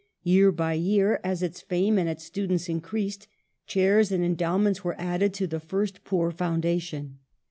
Year by year, as its fame and its students increased, chairs and endow THE SORBONNE. 1 37 ments were added to the first poor foundation.